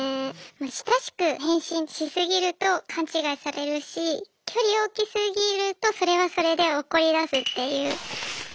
親しく返信し過ぎると勘違いされるし距離を置き過ぎるとそれはそれで怒りだすっていうことがあります。